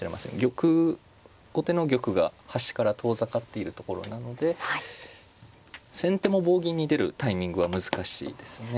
玉後手の玉が端から遠ざかっているところなので先手も棒銀に出るタイミングは難しいですね。